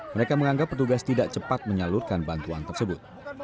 mereka menganggap petugas tidak cepat menyalurkan bantuan tersebut